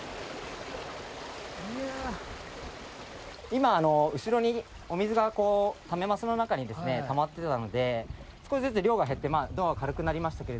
今後ろにお水がためますの中にたまってたので少しずつ量が減ってドアが軽くなりましたが。